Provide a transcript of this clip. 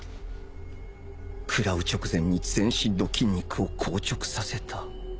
くらう直前に全身の筋肉を硬直させた？